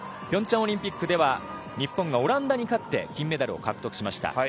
平昌オリンピックでは日本がオランダに勝って金メダルを獲得しました。